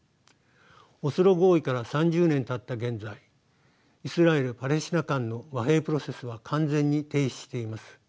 オスロ合意から３０年たった現在イスラエルパレスチナ間の和平プロセスは完全に停止しています。